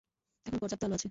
এখনো পর্যাপ্ত আলো আছে।